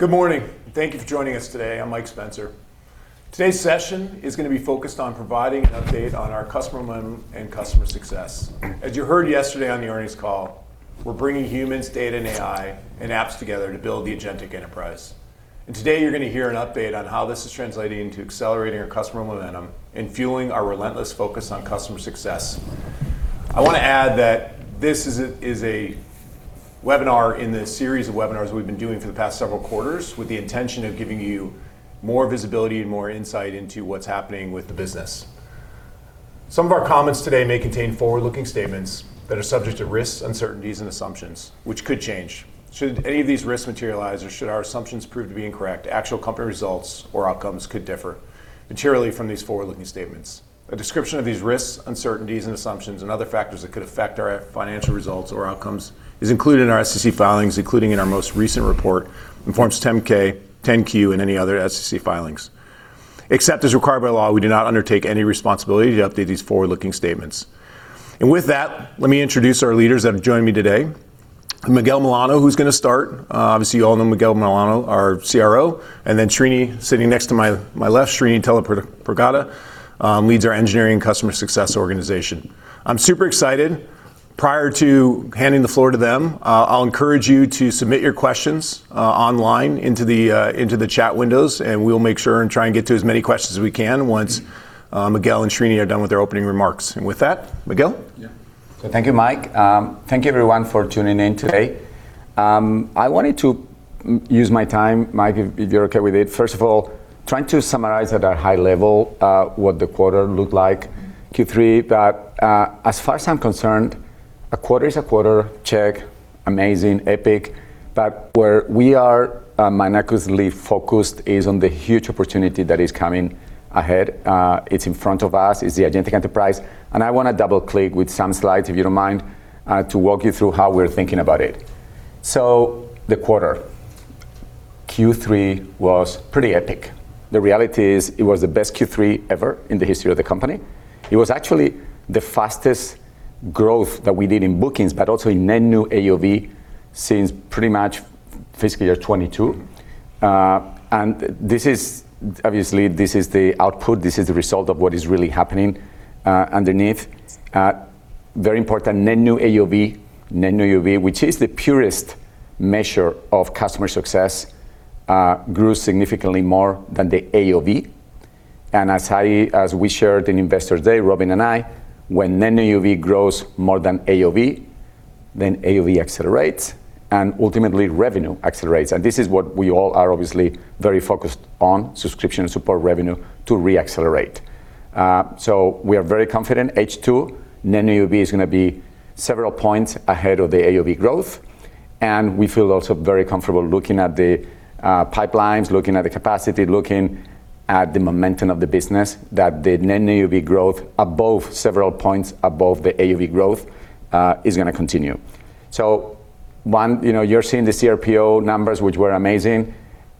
Good morning. Thank you for joining us today. I'm Mike Spencer. Today's session is going to be focused on providing an update on our customer momentum and customer success. As you heard yesterday on the earnings call, we're bringing humans, data, and AI and apps together to build the agentic enterprise. And today you're going to hear an update on how this is translating into accelerating our customer momentum and fueling our relentless focus on customer success. I want to add that this is a webinar in the series of webinars we've been doing for the past several quarters with the intention of giving you more visibility and more insight into what's happening with the business. Some of our comments today may contain forward-looking statements that are subject to risks, uncertainties, and assumptions, which could change. Should any of these risks materialize or should our assumptions prove to be incorrect, actual company results or outcomes could differ materially from these forward-looking statements. A description of these risks, uncertainties, and assumptions, and other factors that could affect our financial results or outcomes is included in our SEC filings, including in our most recent report, Form 10-K, 10-Q, and any other SEC filings. Except as required by law, we do not undertake any responsibility to update these forward-looking statements, and with that, let me introduce our leaders that have joined me today. Miguel Milano, who's going to start. Obviously, you all know Miguel Milano, our CRO, and then Srini, sitting next to my left, Srini Tallapragada, leads our engineering and customer success organization. I'm super excited. Prior to handing the floor to them, I'll encourage you to submit your questions online into the chat windows, and we'll make sure and try and get to as many questions as we can once Miguel and Srini are done with their opening remarks. And with that, Miguel. Yeah. So thank you, Mike. Thank you, everyone, for tuning in today. I wanted to use my time, Mike, if you're okay with it. First of all, trying to summarize at a high level what the quarter looked like, Q3. But as far as I'm concerned, a quarter is a quarter. Check. Amazing. Epic. But where we are mindlessly focused is on the huge opportunity that is coming ahead. It's in front of us. It's the agentic enterprise. And I want to double-click with some slides, if you don't mind, to walk you through how we're thinking about it. So the quarter, Q3, was pretty epic. The reality is it was the best Q3 ever in the history of the company. It was actually the fastest growth that we did in bookings, but also in net new AOV since pretty much fiscal year 2022. And obviously, this is the output. This is the result of what is really happening underneath. Very important, net new AOV, net new AOV, which is the purest measure of customer success, grew significantly more than the AOV, and as we shared in Investors Day, Robin and I, when net new AOV grows more than AOV, then AOV accelerates, and ultimately revenue accelerates, and this is what we all are obviously very focused on, subscription and support revenue to reaccelerate, so we are very confident H2, net new AOV, is going to be several points ahead of the AOV growth, and we feel also very comfortable looking at the pipelines, looking at the capacity, looking at the momentum of the business, that the net new AOV growth, several points above the AOV growth, is going to continue, so you're seeing the CRPO numbers, which were amazing,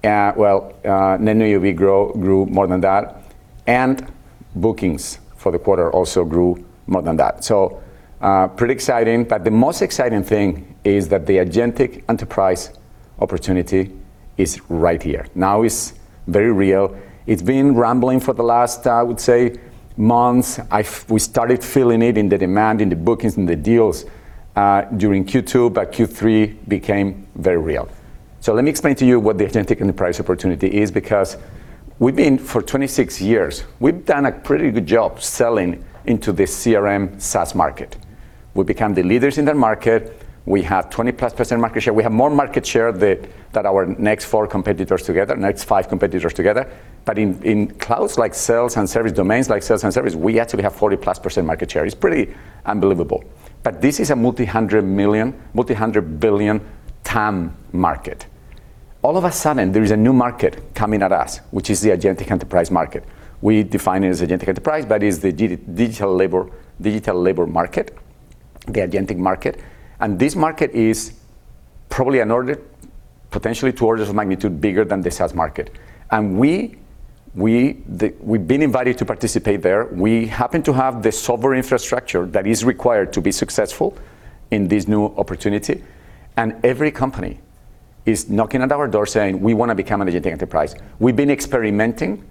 well net new AOV grew more than that. Bookings for the quarter also grew more than that. Pretty exciting. The most exciting thing is that the agentic enterprise opportunity is right here. Now it's very real. It's been rambling for the last, I would say, months. We started feeling it in the demand, in the bookings, in the deals during Q2, but Q3 became very real. Let me explain to you what the agentic enterprise opportunity is, because for 26 years, we've done a pretty good job selling into the CRM SaaS market. We became the leaders in that market. We have 20% market share. We have more market share than our next four competitors together, next five competitors together. But in clouds, like sales and service domains, like sales and service, we actually have 40% market share. It's pretty unbelievable. But this is a multi-hundred million, multi-hundred billion ton market. All of a sudden, there is a new market coming at us, which is the agentic enterprise market. We define it as agentic enterprise, but it's the digital labor market, the agentic market. And this market is probably an order, potentially two orders of magnitude bigger than the SaaS market. And we've been invited to participate there. We happen to have the software infrastructure that is required to be successful in this new opportunity. And every company is knocking at our door saying, we want to become an agentic enterprise. We've been experimenting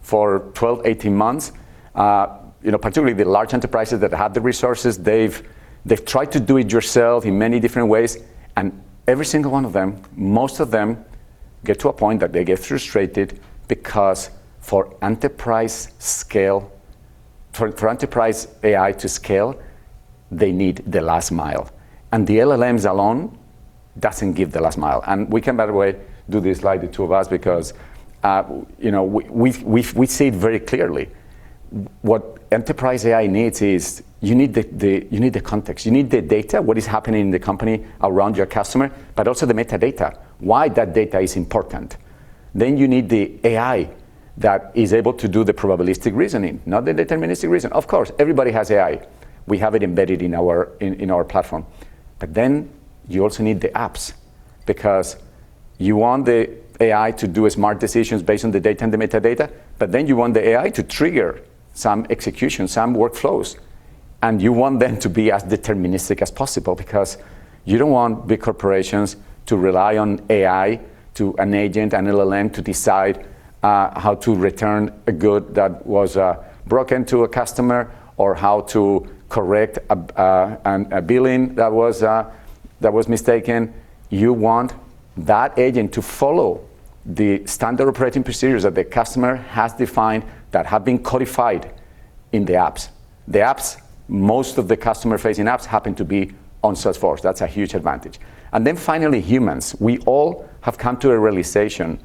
for 12, 18 months, particularly the large enterprises that have the resources. They've tried to do it yourself in many different ways. And every single one of them, most of them, get to a point that they get frustrated because for enterprise scale, for enterprise AI to scale, they need the last mile. And the LLMs alone don't give the last mile. And we can, by the way, do this slide, the two of us, because we see it very clearly. What enterprise AI needs is you need the context. You need the data, what is happening in the company around your customer, but also the metadata, why that data is important. Then you need the AI that is able to do the probabilistic reasoning, not the deterministic reasoning. Of course, everybody has AI. We have it embedded in our platform. But then you also need the apps, because you want the AI to do smart decisions based on the data and the metadata, but then you want the AI to trigger some execution, some workflows. And you want them to be as deterministic as possible, because you don't want big corporations to rely on AI, an agent, an LLM, to decide how to return a good that was broken to a customer, or how to correct a billing that was mistaken. You want that agent to follow the standard operating procedures that the customer has defined that have been codified in the apps. The apps, most of the customer-facing apps happen to be on Salesforce. That's a huge advantage. And then finally, humans. We all have come to a realization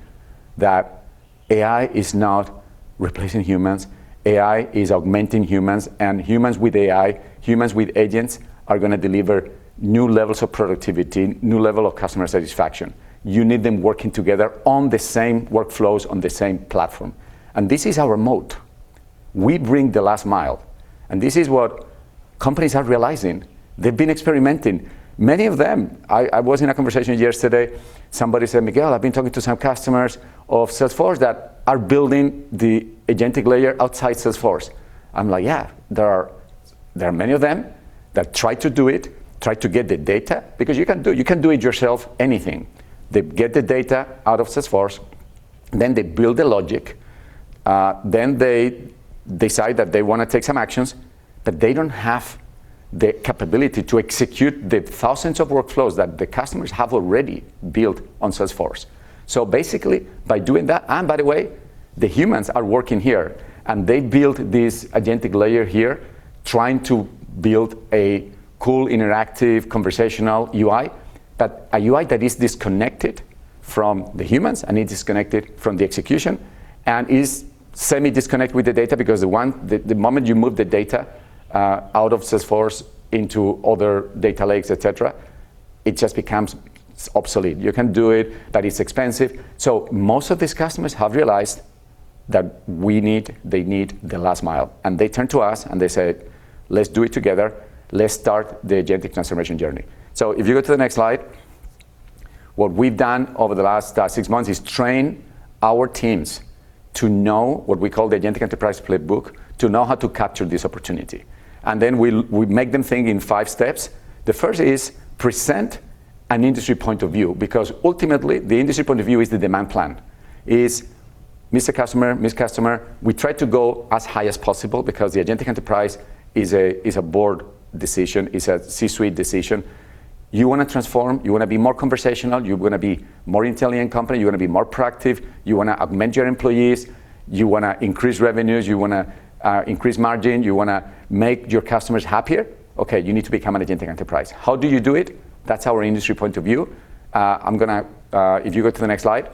that AI is not replacing humans. AI is augmenting humans. And humans with AI, humans with agents are going to deliver new levels of productivity, new levels of customer satisfaction. You need them working together on the same workflows, on the same platform. And this is our moat. We bring the last mile. And this is what companies are realizing. They've been experimenting. Many of them, I was in a conversation yesterday. Somebody said, "Miguel, I've been talking to some customers of Salesforce that are building the agentic layer outside Salesforce." I'm like, "Yeah, there are many of them that try to do it, try to get the data," because you can do it yourself, anything. They get the data out of Salesforce, then they build the logic, then they decide that they want to take some actions, but they don't have the capability to execute the thousands of workflows that the customers have already built on Salesforce. So basically, by doing that, and by the way, the humans are working here, and they built this agentic layer here, trying to build a cool, interactive, conversational UI, but a UI that is disconnected from the humans, and it is disconnected from the execution, and is semi-disconnected with the data, because the moment you move the data out of Salesforce into other data lakes, et cetera, it just becomes obsolete. You can do it, but it's expensive. So most of these customers have realized that they need the last mile. And they turned to us and they said, "Let's do it together. Let's start the agentic transformation journey." So if you go to the next slide, what we've done over the last six months is train our teams to know what we call the agentic enterprise playbook, to know how to capture this opportunity. And then we make them think in five steps. The first is present an industry point of view, because ultimately, the industry point of view is the demand plan. It's, "Mr. Customer, Ms. Customer, we try to go as high as possible," because the agentic enterprise is a board decision, is a C-suite decision. You want to transform. You want to be more conversational. You want to be more intelligent company. You want to be more proactive. You want to augment your employees. You want to increase revenues. You want to increase margin. You want to make your customers happier. Okay, you need to become an agentic enterprise. How do you do it? That's our industry point of view. If you go to the next slide,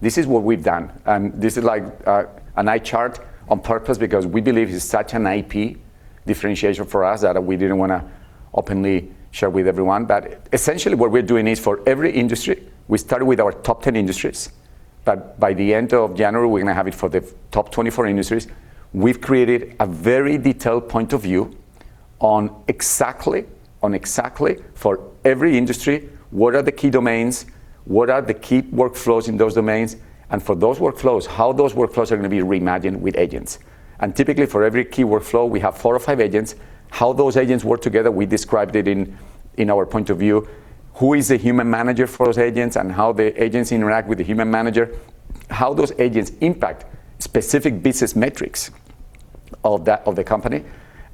this is what we've done. And this is like a night chart on purpose, because we believe it's such an IP differentiation for us that we didn't want to openly share with everyone. But essentially, what we're doing is for every industry, we started with our top 10 industries. But by the end of January, we're going to have it for the top 24 industries. We've created a very detailed point of view on exactly for every industry, what are the key domains, what are the key workflows in those domains, and for those workflows, how those workflows are going to be reimagined with agents. And typically, for every key workflow, we have four or five agents. How those agents work together, we described it in our point of view, who is the human manager for those agents, and how the agents interact with the human manager, how those agents impact specific business metrics of the company,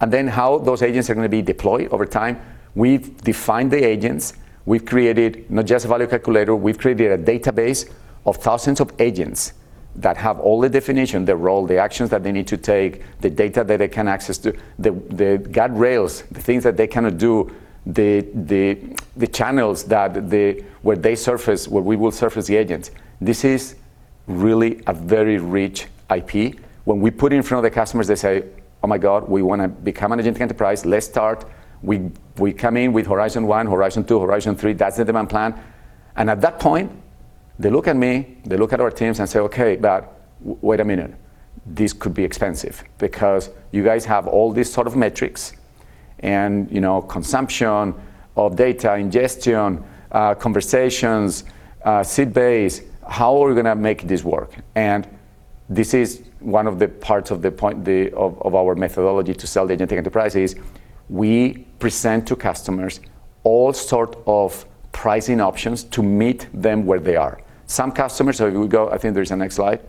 and then how those agents are going to be deployed over time. We've defined the agents. We've created not just a value calculator. We've created a database of thousands of agents that have all the definition, the role, the actions that they need to take, the data that they can access, the guardrails, the things that they cannot do, the channels where they surface, where we will surface the agents. This is really a very rich IP. When we put it in front of the customers, they say, "Oh my God, we want to become an agentic enterprise. Let's start." We come in with Horizon One, Horizon Two, Horizon Three. That's the demand plan. And at that point, they look at me, they look at our teams, and say, "Okay, but wait a minute. This could be expensive, because you guys have all these sort of metrics and consumption of data, ingestion, conversations, seed base. How are we going to make this work?" And this is one of the parts of our methodology to sell the agentic enterprises. We present to customers all sorts of pricing options to meet them where they are. Some customers, so if we go, I think there's a next slide.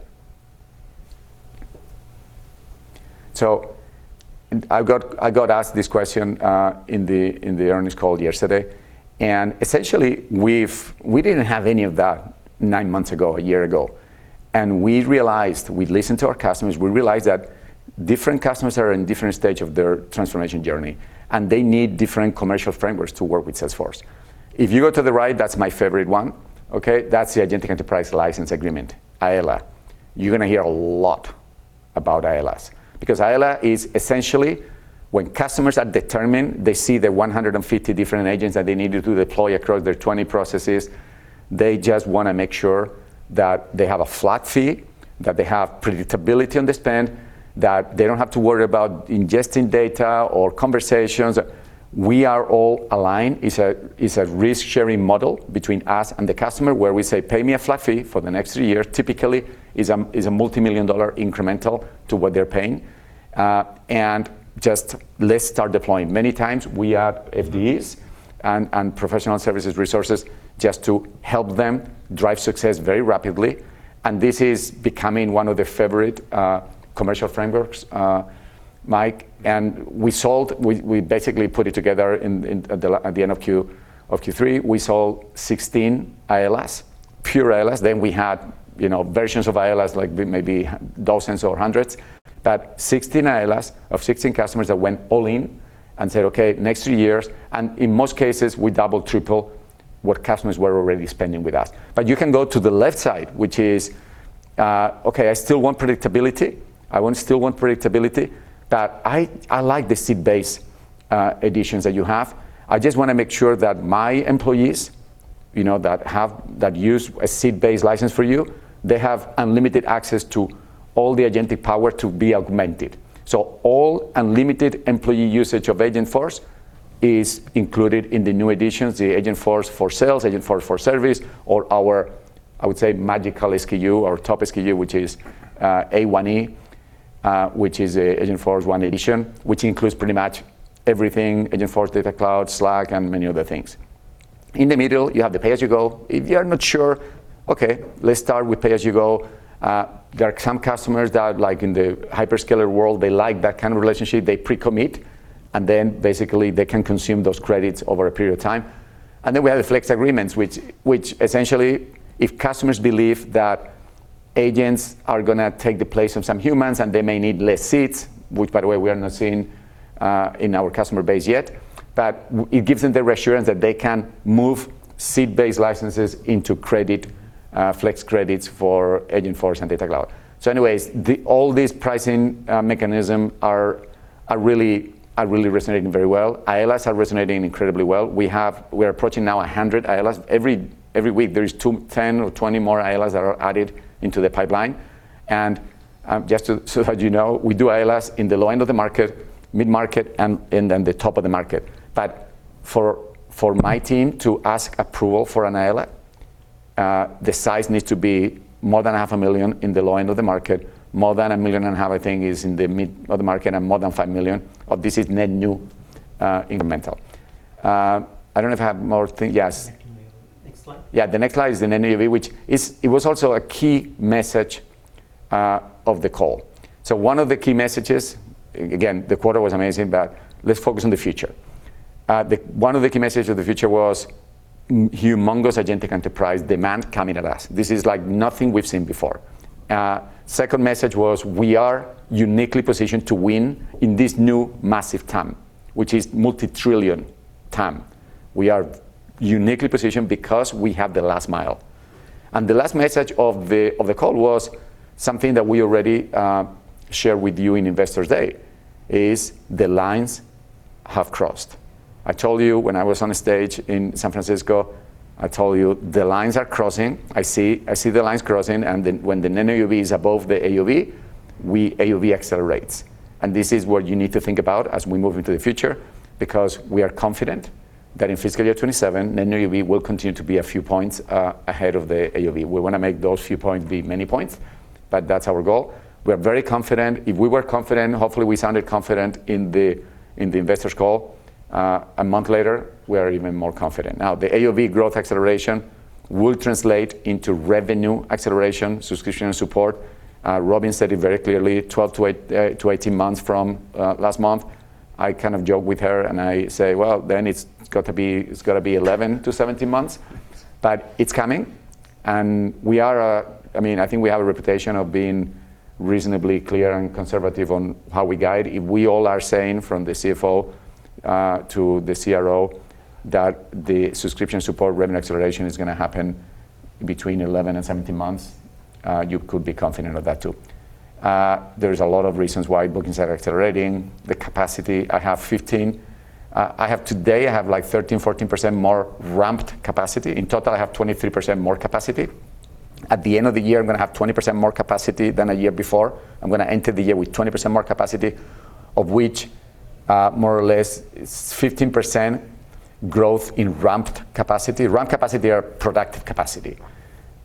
So I got asked this question in the earnings call yesterday. And essentially, we didn't have any of that nine months ago, a year ago. And we realized we'd listened to our customers. We realized that different customers are in different stages of their transformation journey, and they need different commercial frameworks to work with Salesforce. If you go to the right, that's my favorite one. Okay? That's the agentic enterprise license agreement, AELA. You're going to hear a lot about AELAs, because AELA is essentially, when customers are determined, they see the 150 different agents that they needed to deploy across their 20 processes. They just want to make sure that they have a flat fee, that they have predictability on the spend, that they don't have to worry about ingesting data or conversations. We are all aligned. It's a risk-sharing model between us and the customer, where we say, "Pay me a flat fee for the next three years." Typically, it's a multimillion-dollar incremental to what they're paying. And just let's start deploying. Many times, we add FDEs and professional services resources just to help them drive success very rapidly. And this is becoming one of the favorite commercial frameworks, Mike. And we basically put it together at the end of Q3. We sold 16 AELAs, pure AELAs. Then we had versions of AELAs, like maybe dozens or hundreds, but 16 AELAs of 16 customers that went all in and said, "Okay, next three years." And in most cases, we doubled, tripled what customers were already spending with us. But you can go to the left side, which is, "Okay, I still want predictability. I still want predictability, but I like the seed-based additions that you have. I just want to make sure that my employees that use a seat-based license for you, they have unlimited access to all the agentic power to be augmented." So all unlimited employee usage of Agentforce is included in the new additions, the Agentforce for Sales, Agentforce for Service, or our, I would say, magical SKU, our top SKU, which is A1E, which is the Agentforce One Edition, which includes pretty much everything: Agentforce, Data Cloud, Slack, and many other things. In the middle, you have the pay-as-you-go. If you're not sure, okay, let's start with pay-as-you-go. There are some customers that, like in the hyperscaler world, they like that kind of relationship. They pre-commit, and then basically, they can consume those credits over a period of time. We have the flex agreements, which essentially, if customers believe that agents are going to take the place of some humans and they may need less seats, which, by the way, we are not seeing in our customer base yet, but it gives them the reassurance that they can move seat-based licenses into flex credits for Agentforce and Data Cloud. So anyways, all these pricing mechanisms are really resonating very well. AELAs are resonating incredibly well. We are approaching now 100 AELAs. Every week, there are 10 or 20 more AELAs that are added into the pipeline. And just so that you know, we do AELAs in the low end of the market, mid-market, and then the top of the market. But for my team to ask approval for an AELA, the size needs to be more than $500,000 in the low end of the market. More than 1.5 million, I think, is in the mid-market and more than 5 million. This is net new incremental. I don't know if I have more things. Yes. Next slide. Yeah, the next slide is the net new ACV, which was also a key message of the call. So one of the key messages, again, the quarter was amazing, but let's focus on the future. One of the key messages of the future was humongous agentic enterprise demand coming at us. This is like nothing we've seen before. Second message was we are uniquely positioned to win in this new massive TAM, which is multi-trillion TAM. We are uniquely positioned because we have the last mile. The last message of the call was something that we already shared with you in Investor's Day is the lines have crossed. I told you when I was on a stage in San Francisco, I told you the lines are crossing. I see the lines crossing, and when the NAUV is above the AUV, AUV accelerates, and this is what you need to think about as we move into the future, because we are confident that in fiscal year 2027, NAUV will continue to be a few points ahead of the AUV. We want to make those few points be many points, but that's our goal. We are very confident. If we were confident, hopefully we sounded confident in the investors' call. A month later, we are even more confident. Now, the AUV growth acceleration will translate into revenue acceleration, subscription support. Robin said it very clearly, 12 to 18 months from last month. I kind of joke with her and I say, "Well, then it's got to be 11 to 17 months," but it's coming, and I mean, I think we have a reputation of being reasonably clear and conservative on how we guide. If we all are saying from the CFO to the CRO that the subscription support revenue acceleration is going to happen between 11 and 17 months, you could be confident of that too. There's a lot of reasons why bookings are accelerating. The capacity, I have 15. Today, I have like 13%-14% more ramped capacity. In total, I have 23% more capacity. At the end of the year, I'm going to have 20% more capacity than a year before. I'm going to enter the year with 20% more capacity, of which more or less 15% growth in ramped capacity. Ramped capacity is productive capacity.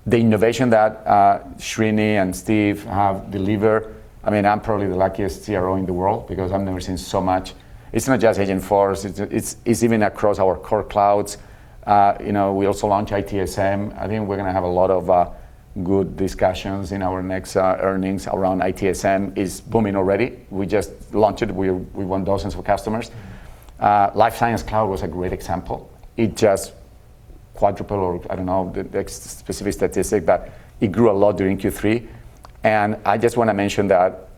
The innovation that Srini and Steve have delivered, I mean, I'm probably the luckiest CRO in the world because I've never seen so much. It's not just Agentforce. It's even across our core clouds. We also launched ITSM. I think we're going to have a lot of good discussions in our next earnings around ITSM. It's booming already. We just launched it. We won dozens of customers. Life Sciences Cloud was a great example. It just quadrupled, or I don't know the specific statistic, but it grew a lot during Q3. And I just want to mention that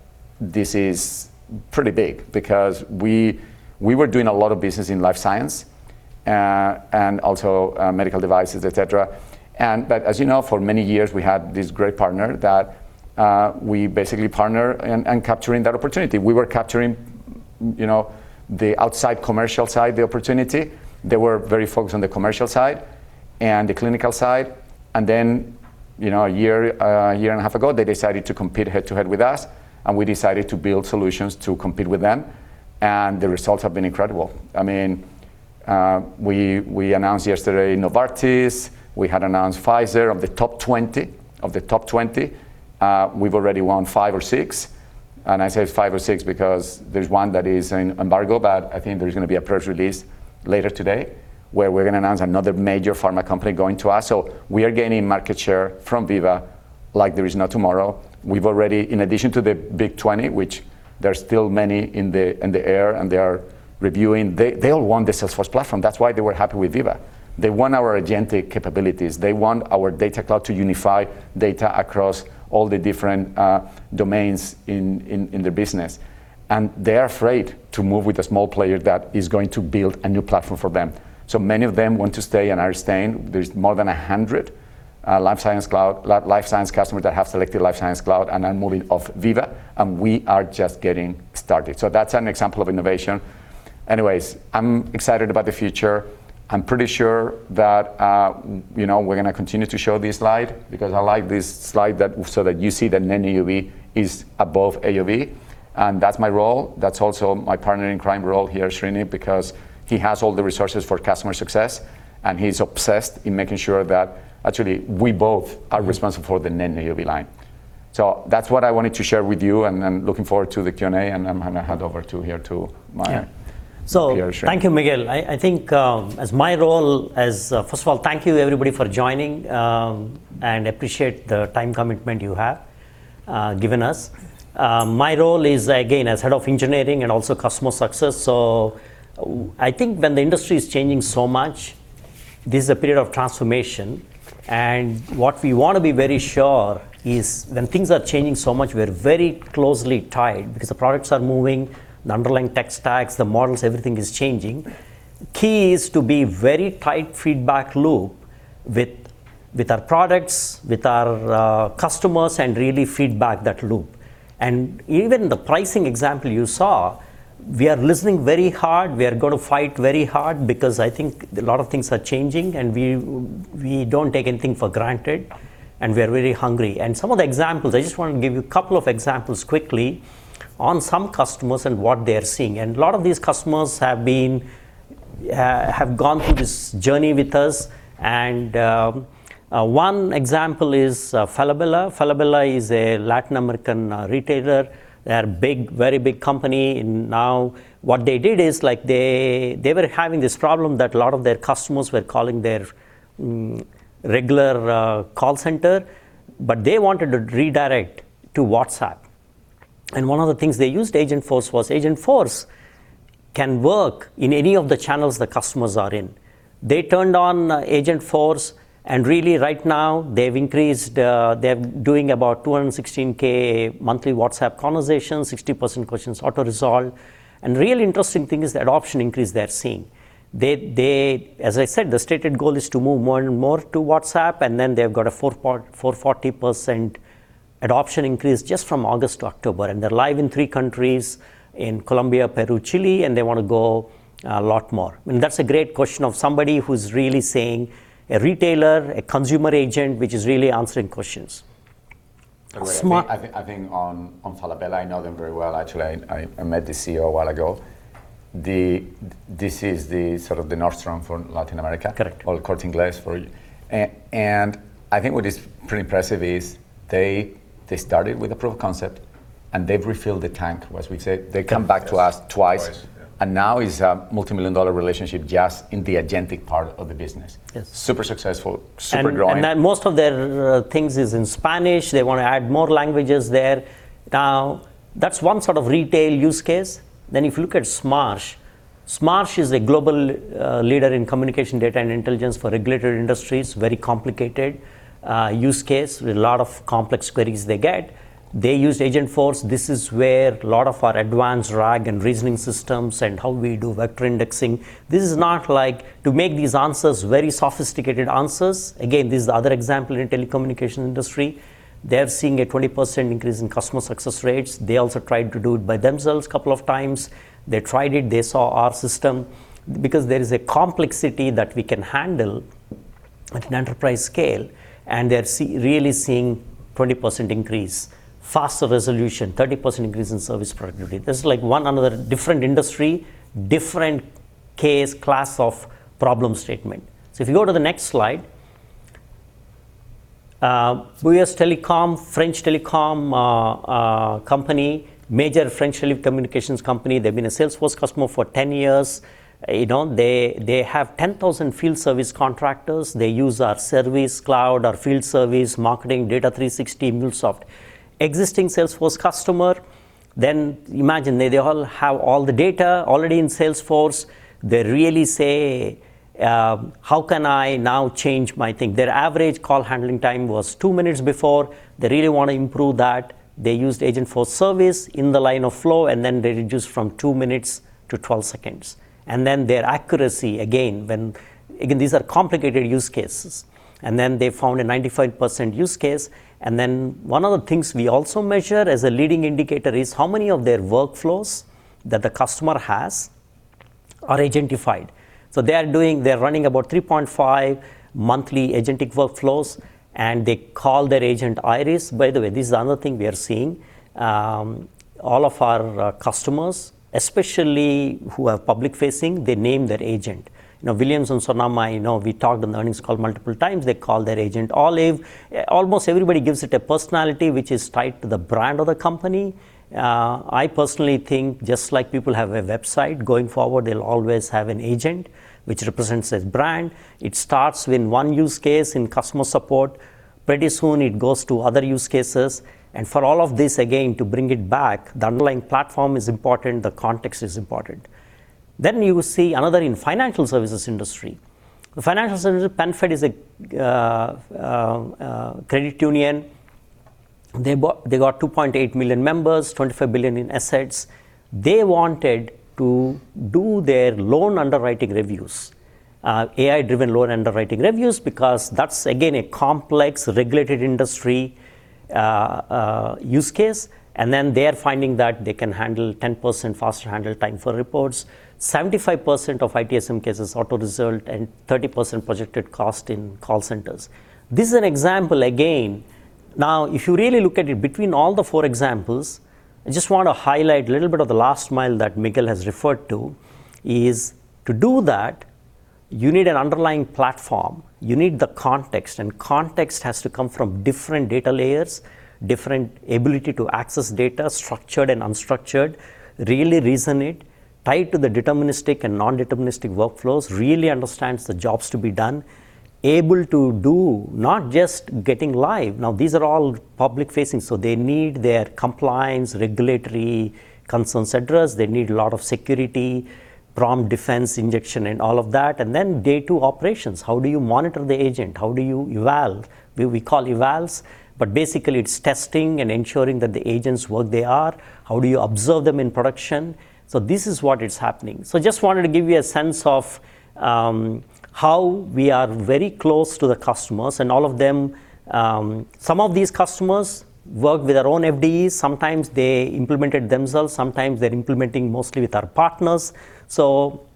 this is pretty big because we were doing a lot of business in life science and also medical devices, et cetera. But as you know, for many years, we had this great partner that we basically partnered in capturing that opportunity. We were capturing the outside commercial side, the opportunity. They were very focused on the commercial side and the clinical side. And then a year and a half ago, they decided to compete head-to-head with us, and we decided to build solutions to compete with them. And the results have been incredible. I mean, we announced yesterday Novartis. We had announced Pfizer of the top 20. We've already won five or six. And I say five or six because there's one that is in embargo, but I think there's going to be a press release later today where we're going to announce another major pharma company going to us. So we are gaining market share from Veeva like there is no tomorrow. In addition to the big 20, which there are still many in the air and they are reviewing, they all want the Salesforce platform. That's why they were happy with Veeva. They want our agentic capabilities. They want our Data Cloud to unify data across all the different domains in their business. And they are afraid to move with a small player that is going to build a new platform for them. So many of them want to stay and are staying. There's more than 100 life sciences customers that have selected Life Sciences Cloud and are moving off Veeva. And we are just getting started. So that's an example of innovation. Anyways, I'm excited about the future. I'm pretty sure that we're going to continue to show this slide because I like this slide so that you see that NAUV is above AUV. And that's my role. That's also my partner in crime role here, Srini, because he has all the resources for customer success, and he's obsessed in making sure that actually we both are responsible for the NAUV line. So that's what I wanted to share with you, and I'm looking forward to the Q&A, and I'm going to hand over to here to my peers, Srini. Thank you, Miguel. I think as my role, first of all, thank you, everybody, for joining, and I appreciate the time commitment you have given us. My role is, again, as head of engineering and also customer success. So I think when the industry is changing so much, this is a period of transformation. And what we want to be very sure is when things are changing so much, we're very closely tied because the products are moving, the underlying tech stacks, the models, everything is changing. Key is to be very tight feedback loop with our products, with our customers, and really feedback that loop. And even the pricing example you saw, we are listening very hard. We are going to fight very hard because I think a lot of things are changing, and we don't take anything for granted, and we are very hungry. And some of the examples, I just want to give you a couple of examples quickly on some customers and what they are seeing. And a lot of these customers have gone through this journey with us. And one example is Falabella. Falabella is a Latin American retailer. They're a very big company. Now, what they did is they were having this problem that a lot of their customers were calling their regular call center, but they wanted to redirect to WhatsApp. And one of the things they used Agentforce was Agentforce can work in any of the channels the customers are in. They turned on Agentforce, and really right now, they've increased. They're doing about 216k monthly WhatsApp conversations, 60% questions auto-resolved. And the real interesting thing is the adoption increase they're seeing. As I said, the stated goal is to move more and more to WhatsApp, and then they've got a 440% adoption increase just from August to October. And they're live in three countries, in Colombia, Peru, Chile, and they want to go a lot more. And that's a great question of somebody who's really seeing a retailer, a consumer agent, which is really answering questions. I think, on Falabella, I know them very well. Actually, I met the CEO a while ago. This is the sort of the Nordstrom for Latin America. Correct. All corting glass for you. And I think what is pretty impressive is they started with a proof of concept, and they've refilled the tank, as we say. They come back to us twice. And now it's a multimillion-dollar relationship just in the agentic part of the business. Super successful, super growing. And most of their things is in Spanish. They want to add more languages there. Now, that's one sort of retail use case. Then if you look at Smarsh, Smarsh is a global leader in communication, data, and intelligence for regulatory industries. Very complicated use case with a lot of complex queries they get. They use Agentforce. This is where a lot of our advanced RAG and reasoning systems and how we do vector indexing. This is not like to make these answers very sophisticated answers. Again, this is the other example in the telecommunication industry. They're seeing a 20% increase in customer success rates. They also tried to do it by themselves a couple of times. They tried it. They saw our system. Because there is a complexity that we can handle at an enterprise scale, and they're really seeing 20% increase, faster resolution, 30% increase in service productivity. This is like one another different industry, different case class of problem statement. So if you go to the next slide, Bouygues Telecom, French Telecom company, major French telecommunications company. They've been a Salesforce customer for 10 years. They have 10,000 field service contractors. They use our Service Cloud, our Field Service, Marketing, Data 360, MuleSoft. Existing Salesforce customer. Then imagine they all have all the data already in Salesforce. They really say, "How can I now change my thing?" Their average call handling time was two minutes before. They really want to improve that. They used Agentforce for Service in the line of flow, and then they reduced from two minutes to 12 seconds. And then their accuracy, again, these are complicated use cases. And then they found a 95% use case. And then one of the things we also measure as a leading indicator is how many of their workflows that the customer has are agentified. So they're running about 3.5 monthly agentic workflows, and they call their agent Iris. By the way, this is another thing we are seeing. All of our customers, especially who are public-facing, they name their agent. Williams-Sonoma, we talked on the earnings call multiple times. They call their agent Olive. Almost everybody gives it a personality which is tied to the brand of the company. I personally think just like people have a website, going forward, they'll always have an agent which represents their brand. It starts with one use case in customer support. Pretty soon, it goes to other use cases. And for all of this, again, to bring it back, the underlying platform is important. The context is important. Then you see another in the financial services industry. The financial services, PenFed is a credit union. They got 2.8 million members, $25 billion in assets. They wanted to do their loan underwriting reviews, AI-driven loan underwriting reviews, because that's, again, a complex regulated industry use case. And then they are finding that they can handle 10% faster handle time for reports, 75% of ITSM cases auto-result, and 30% projected cost in call centers. This is an example, again. Now, if you really look at it between all the four examples, I just want to highlight a little bit of the last mile that Miguel has referred to is to do that, you need an underlying platform. You need the context, and context has to come from different data layers, different ability to access data, structured and unstructured, really reason it, tie it to the deterministic and non-deterministic workflows, really understands the jobs to be done, able to do not just getting live. Now, these are all public-facing, so they need their compliance, regulatory concerns, address. They need a lot of security, prompt defense injection, and all of that. And then day two operations. How do you monitor the agent? How do you eval? We call evals, but basically, it's testing and ensuring that the agents work they are. How do you observe them in production? So this is what is happening. So I just wanted to give you a sense of how we are very close to the customers. And some of these customers work with our own FDEs. Sometimes they implement it themselves. Sometimes they're implementing mostly with our partners. So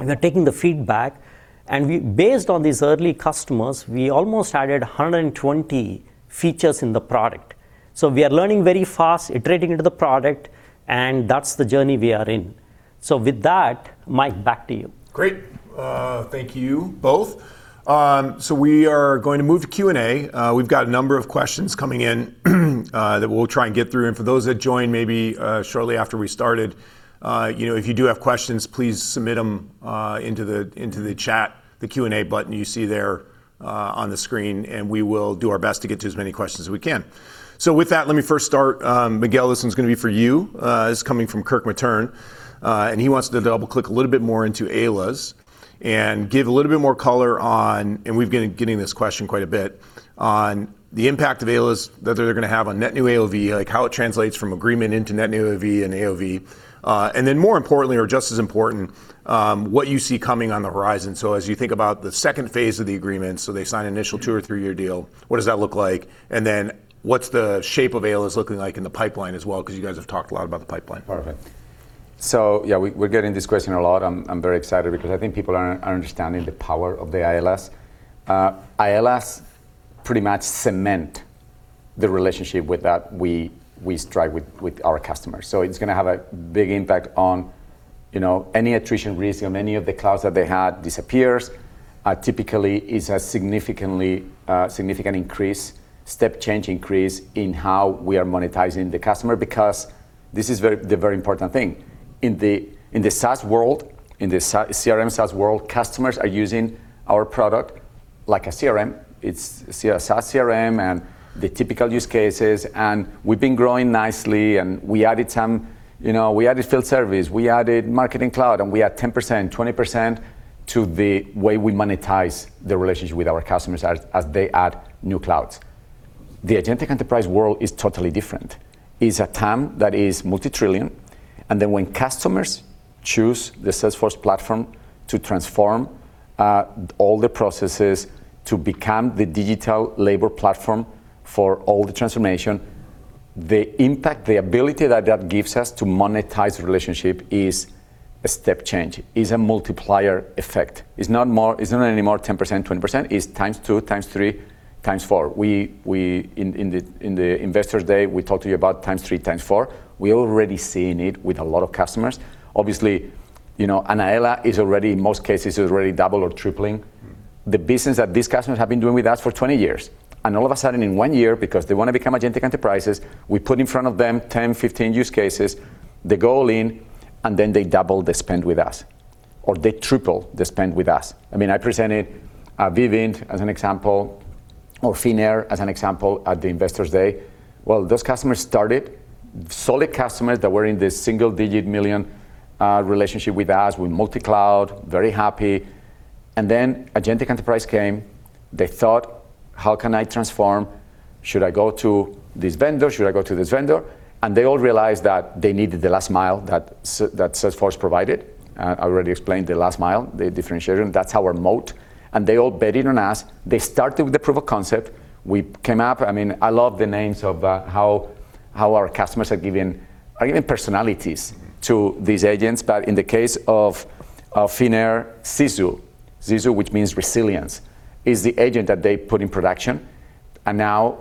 we're taking the feedback. And based on these early customers, we almost added 120 features in the product. So we are learning very fast, iterating into the product, and that's the journey we are in. So with that, Mike, back to you. Great. Thank you both. So we are going to move to Q&A. We've got a number of questions coming in that we'll try and get through. For those that joined maybe shortly after we started, if you do have questions, please submit them into the chat, the Q&A button you see there on the screen, and we will do our best to get to as many questions as we can. With that, let me first start. Miguel, this one's going to be for you. It's coming from Kirk Materne, and he wants to double-click a little bit more into AELAs and give a little bit more color on, and we've been getting this question quite a bit, on the impact of AELAs that they're going to have on net new AOV, how it translates from agreement into net new AOV and AOV. Then more importantly, or just as important, what you see coming on the horizon. As you think about the second phase of the agreement, so they sign an initial two or three-year deal, what does that look like? And then what's the shape of AELAs looking like in the pipeline as well? Because you guys have talked a lot about the pipeline. Perfect. Yeah, we're getting this question a lot. I'm very excited because I think people are understanding the power of the AELAs. AELAs pretty much cement the relationship that we have with our customers. So it's going to have a big impact on any attrition risk. Many of the clouds that they had disappear. Typically, it's a significant increase, step change increase in how we are monetizing the customer because this is the very important thing. In the SaaS world, in the CRM SaaS world, customers are using our product like a CRM. It's a SaaS CRM and the typical use cases, and we've been growing nicely, and we added field service. We added Marketing Cloud, and we add 10%-20% to the way we monetize the relationship with our customers as they add new clouds. The Agentic Enterprise world is totally different. It's a time that is multi-trillion. And then when customers choose the Salesforce platform to transform all the processes to become the digital labor platform for all the transformation, the impact, the ability that that gives us to monetize relationship is a step change. It's a multiplier effect. It's not anymore 10%-20%. It's times two, times three, times four. In the investors' day, we talk to you about times three, times four. We're already seeing it with a lot of customers. Obviously, an AELA is already, in most cases, double or tripling the business that these customers have been doing with us for 20 years, and all of a sudden, in one year, because they want to become agentic enterprises, we put in front of them 10, 15 use cases, they go in, and then they double the spend with us, or they triple the spend with us. I mean, I presented Vivint as an example, or Finnair as an example at the investors' day. Those customers started, solid customers that were in the single-digit million relationship with us, with multi-cloud, very happy, and then agentic enterprise came. They thought, "How can I transform? Should I go to this vendor? Should I go to this vendor?" They all realized that they needed the last mile that Salesforce provided. I already explained the last mile, the differentiation. That's our moat, and they all bet in on us. They started with the proof of concept. We came up. I mean, I love the names of how our customers are giving personalities to these agents, but in the case of Finnair, Sisu, Sisu, which means resilience, is the agent that they put in production, and now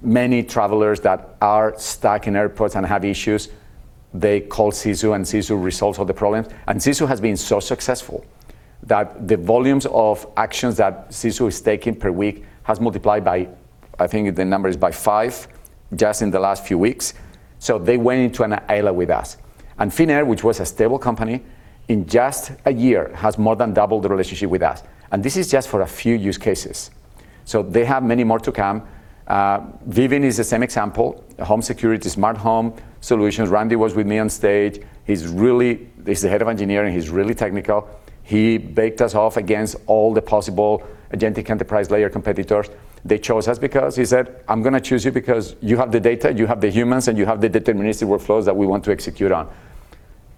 many travelers that are stuck in airports and have issues, they call Sisu, and Sisu resolves all the problems, and Sisu has been so successful that the volumes of actions that Sisu is taking per week has multiplied by, I think the number is by five just in the last few weeks, so they went into an AELA with us, and Finnair, which was a stable company, in just a year has more than doubled the relationship with us, and this is just for a few use cases. So they have many more to come. Vivint is the same example, home security, smart home solutions. Randy was with me on stage. He's the head of engineering. He's really technical. He baked us off against all the possible agentic enterprise layer competitors. They chose us because he said, "I'm going to choose you because you have the data, you have the humans, and you have the deterministic workflows that we want to execute on."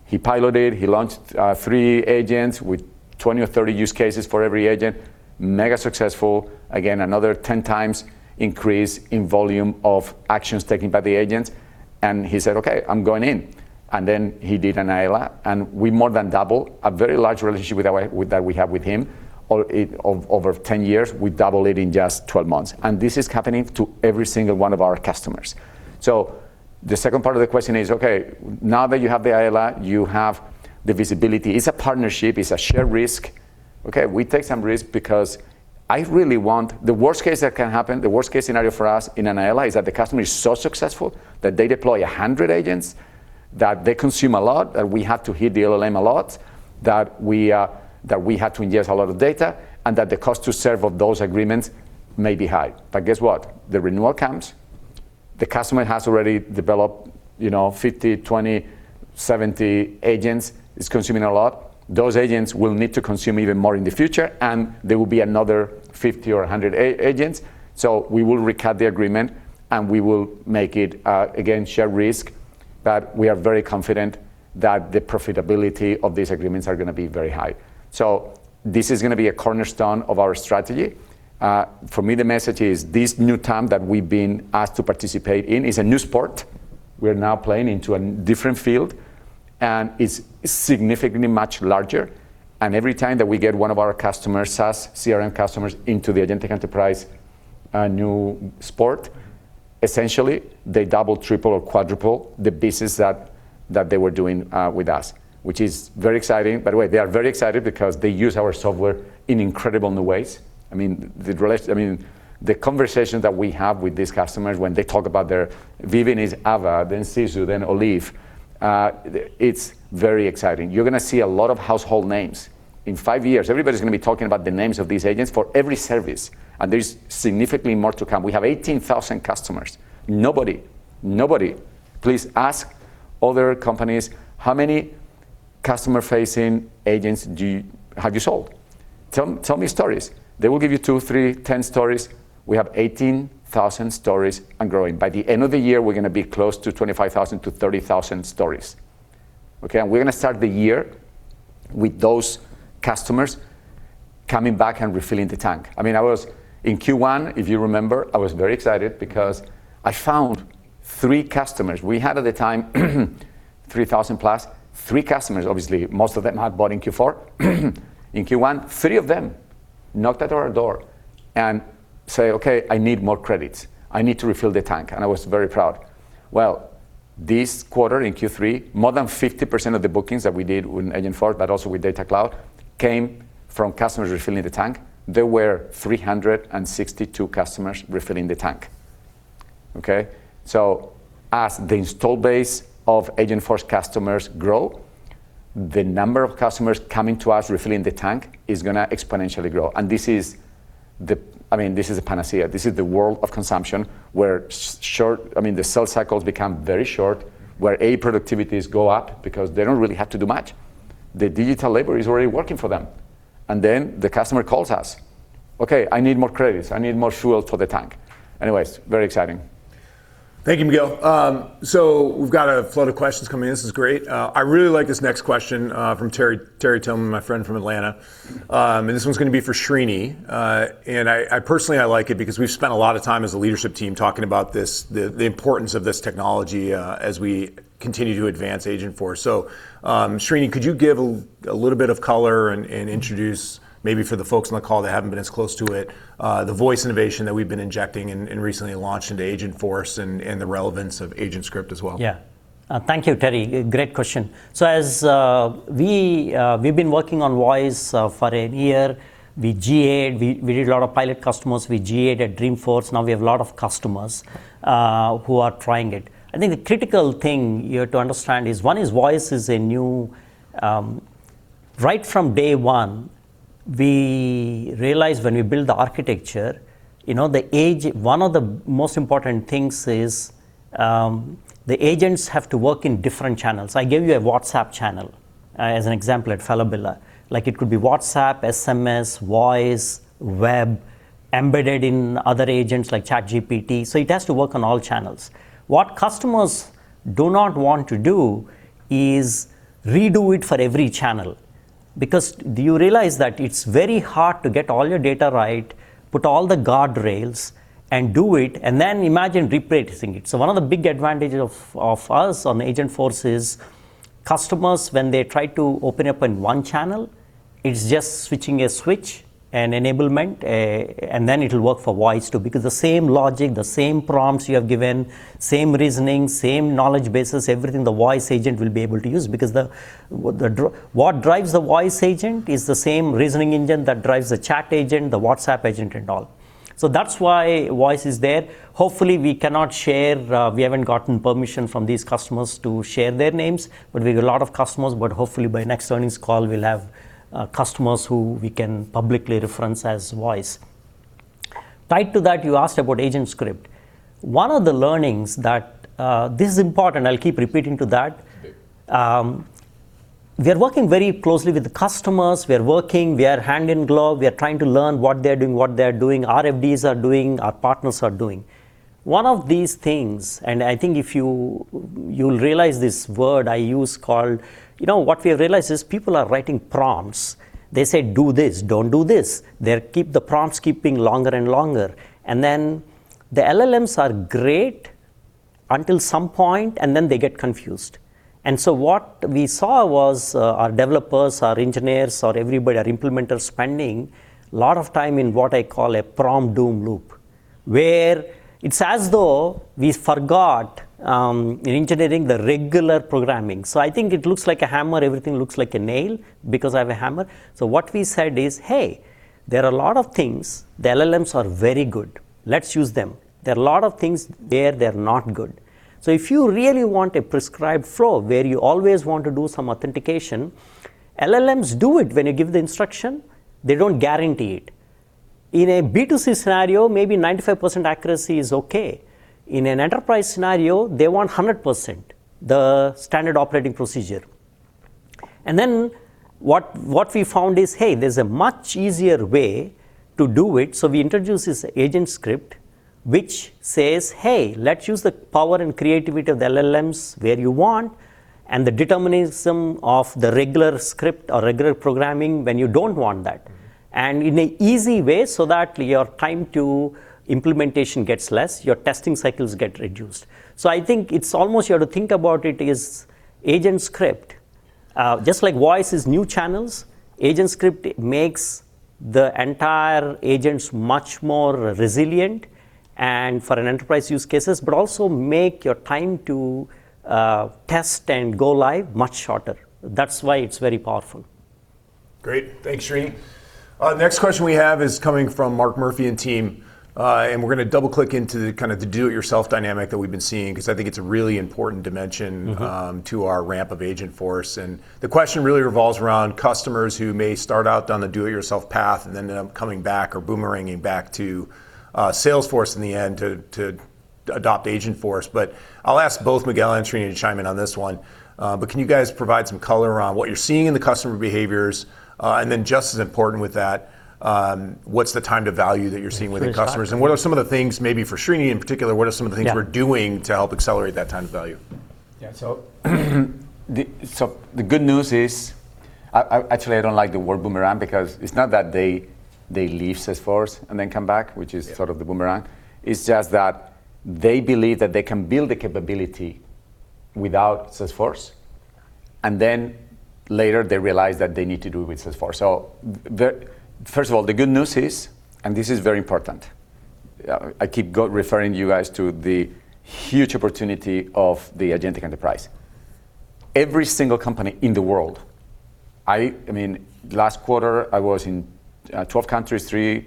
He piloted. He launched three agents with 20 or 30 use cases for every agent. Mega successful. Again, another 10 times increase in volume of actions taken by the agents. And he said, "Okay, I'm going in." And then he did an AELA, and we more than doubled a very large relationship that we have with him. Over 10 years, we doubled it in just 12 months. This is happening to every single one of our customers. The second part of the question is, "Okay, now that you have the AELA, you have the visibility." It's a partnership. It's a shared risk. Okay, we take some risk because I really want the worst case that can happen, the worst case scenario for us in an AELA is that the customer is so successful that they deploy 100 agents, that they consume a lot, that we have to hit the LLM a lot, that we have to ingest a lot of data, and that the cost to serve of those agreements may be high. Guess what? The renewal comes. The customer has already developed 50, 20, 70 agents. It's consuming a lot. Those agents will need to consume even more in the future, and there will be another 50 or 100 agents. So we will recut the agreement, and we will make it, again, shared risk. But we are very confident that the profitability of these agreements are going to be very high. So this is going to be a cornerstone of our strategy. For me, the message is this new time that we've been asked to participate in is a new sport. We are now playing into a different field, and it's significantly much larger. And every time that we get one of our customers, SaaS CRM customers, into the agentic enterprise, a new sport, essentially, they double, triple, or quadruple the business that they were doing with us, which is very exciting. By the way, they are very excited because they use our software in incredible new ways. I mean, the conversations that we have with these customers when they talk about their Vivint is Ava, then Sisu, then Olive. It's very exciting. You're going to see a lot of household names. In five years, everybody's going to be talking about the names of these agents for every service, and there's significantly more to come. We have 18,000 customers. Nobody, nobody. Please ask other companies, "How many customer-facing agents have you sold? Tell me stories." They will give you two, three, 10 stories. We have 18,000 stories and growing. By the end of the year, we're going to be close to 25,000 to 30,000 stories. Okay, and we're going to start the year with those customers coming back and refilling the tank. I mean, I was in Q1, if you remember, I was very excited because I found three customers. We had at the time 3,000 plus, three customers, obviously. Most of them had bought in Q4. In Q1, three of them knocked at our door and said, "Okay, I need more credits. I need to refill the tank." And I was very proud. Well, this quarter in Q3, more than 50% of the bookings that we did with Agentforce, but also with Data Cloud, came from customers refilling the tank. There were 362 customers refilling the tank. Okay? So as the install base of Agentforce customers grow, the number of customers coming to us refilling the tank is going to exponentially grow. And this is the, I mean, this is a panacea. This is the world of consumption where, I mean, the sales cycles become very short, where AI productivities go up because they don't really have to do much. The digital labor is already working for them. And then the customer calls us, "Okay, I need more credits. I need more fuel for the tank." Anyways, very exciting. Thank you, Miguel. So we've got a flood of questions coming in. This is great. I really like this next question from Terry Tillman, my friend from Atlanta. And this one's going to be for Srini. And I personally, I like it because we've spent a lot of time as a leadership team talking about the importance of this technology as we continue to advance Agentforce. So Srini, could you give a little bit of color and introduce, maybe for the folks on the call that haven't been as close to it, the voice innovation that we've been injecting and recently launched into Agentforce and the relevance of AgentScript as well? Yeah. Thank you, Terry. Great question. So we've been working on voice for a year. We GA'd. We did a lot of pilot customers. We GA'ed at Dreamforce. Now we have a lot of customers who are trying it. I think the critical thing here to understand is, one is voice is new, right from day one. We realized when we built the architecture, one of the most important things is the agents have to work in different channels. I gave you a WhatsApp channel as an example at Falabella. It could be WhatsApp, SMS, voice, web, embedded in other agents like ChatGPT. So it has to work on all channels. What customers do not want to do is redo it for every channel. Because do you realize that it's very hard to get all your data right, put all the guardrails, and do it, and then imagine reproducing it? So one of the big advantages of us on Agentforce is customers, when they try to open up in one channel, it's just switching a switch and enablement, and then it'll work for voice too. Because the same logic, the same prompts you have given, same reasoning, same knowledge bases, everything the voice agent will be able to use. Because what drives the voice agent is the same reasoning engine that drives the chat agent, the WhatsApp agent, and all. So that's why voice is there. Hopefully, we cannot share. We haven't gotten permission from these customers to share their names. But we have a lot of customers. But hopefully, by next earnings call, we'll have customers who we can publicly reference as voice. Tied to that, you asked about AgentScript. One of the learnings that this is important. I'll keep repeating to that. We are working very closely with the customers. We are working. We are hand in glove. We are trying to learn what they're doing, what they're doing, FDEs are doing, our partners are doing. One of these things, and I think if you'll realize this word I use called, what we have realized is people are writing prompts. They say, "Do this. Don't do this." They keep the prompts keeping longer and longer. And then the LLMs are great until some point, and then they get confused. And so what we saw was our developers, our engineers, or everybody, our implementers spending a lot of time in what I call a prompt doom loop, where it's as though we forgot in engineering the regular programming. So I think it looks like a hammer. Everything looks like a nail because I have a hammer. So what we said is, "Hey, there are a lot of things. The LLMs are very good. Let's use them. There are a lot of things where they're not good." So if you really want a prescribed flow where you always want to do some authentication, LLMs do it. When you give the instruction, they don't guarantee it. In a B2C scenario, maybe 95% accuracy is okay. In an enterprise scenario, they want 100%, the standard operating procedure. And then what we found is, "Hey, there's a much easier way to do it." So we introduced this AgentScript, which says, "Hey, let's use the power and creativity of the LLMs where you want and the determinism of the regular script or regular programming when you don't want that." And in an easy way so that your time to implementation gets less, your testing cycles get reduced. So I think it's almost you have to think about it is AgentScript. Just like voice is new channels, AgentScript makes the entire agents much more resilient for enterprise use cases, but also makes your time to test and go live much shorter. That's why it's very powerful. Great. Thanks, Srini. Next question we have is coming from Mark Murphy and team. And we're going to double-click into the kind of the do-it-yourself dynamic that we've been seeing because I think it's a really important dimension to our ramp of Agentforce. And the question really revolves around customers who may start out down the do-it-yourself path and then end up coming back or boomeranging back to Salesforce in the end to adopt Agentforce. But I'll ask both Miguel and Srini to chime in on this one. But can you guys provide some color around what you're seeing in the customer behaviors? And then just as important with that, what's the time to value that you're seeing with the customers? And what are some of the things, maybe for Srini in particular, what are some of the things we're doing to help accelerate that time to value? Yeah. So the good news is, actually, I don't like the word boomerang because it's not that they leave Salesforce and then come back, which is sort of the boomerang. It's just that they believe that they can build the capability without Salesforce. And then later, they realize that they need to do it with Salesforce. So first of all, the good news is, and this is very important, I keep referring you guys to the huge opportunity of the agentic enterprise. Every single company in the world, I mean, last quarter, I was in 12 countries, three